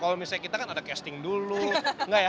kalau misalnya kita kan ada casting dulu enggak ya